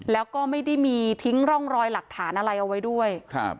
แล้วก็ไม่ได้มีทิ้งร่องรอยหลักฐานอะไรเอาไว้ด้วยครับ